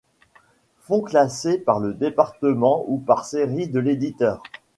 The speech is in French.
Fonds classé par département ou par série de l'éditeur.